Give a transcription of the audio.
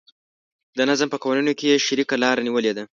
د نظم په قوانینو کې یې شریکه لاره نیولې ده.